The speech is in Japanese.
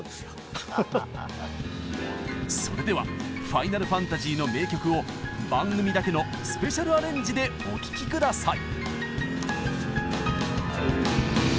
それでは「ファイナルファンタジー」の名曲を番組だけのスペシャルアレンジでお聴き下さい！